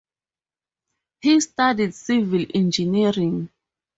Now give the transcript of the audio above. He studied Civil Engineering.